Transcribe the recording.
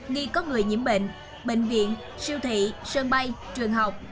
nghi có người nhiễm bệnh bệnh viện siêu thị sân bay trường học